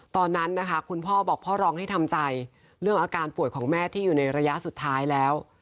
ตอนนั้นนะคะคุณพ่อบอกพ่อร้องให้ทำใจเรื่องอาการป่วยของแม่ที่อยู่ในระยะสุดท้ายแล้ว